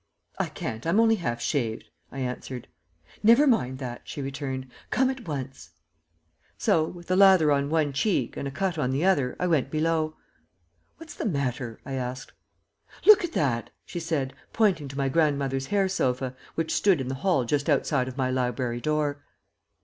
"I can't. I'm only half shaved," I answered. "Never mind that," she returned. "Come at once." So, with the lather on one cheek and a cut on the other, I went below. "What's the matter?" I asked. "Look at that!" she said, pointing to my grandmother's hair sofa, which stood in the hall just outside of my library door.